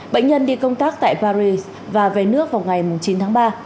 bệnh nhân đi công tác tại paris và về nước vào ngày chín tháng ba